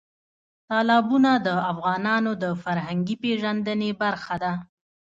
تالابونه د افغانانو د فرهنګي پیژندنې برخه ده.